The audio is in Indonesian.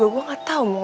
vier suara ini susah